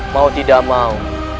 mau tidak mau